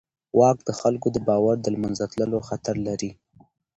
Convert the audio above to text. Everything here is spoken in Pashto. واک د خلکو د باور د له منځه تلو خطر لري.